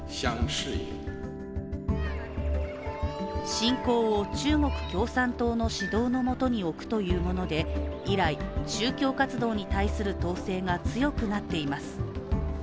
信仰を中国共産党の指導の下におくというもので以来、宗教活動に対する統制が強くなっています。